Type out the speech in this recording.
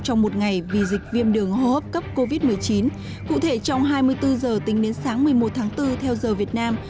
trong một ngày vì dịch viêm đường hô hấp cấp covid một mươi chín cụ thể trong hai mươi bốn giờ tính đến sáng một mươi một tháng bốn theo giờ việt nam